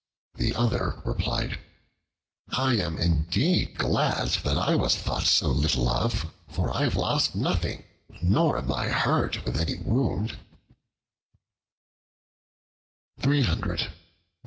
The other replied, "I am indeed glad that I was thought so little of, for I have lost nothing, nor am I hurt with any wound."